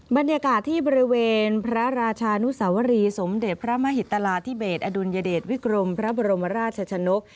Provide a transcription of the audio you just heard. บรรยากาศที่บริเวณพระราชานุสวรีสมเด็จพระมหิตราธิเบสอดุลยเดชวิกรมพระบรมราชชนก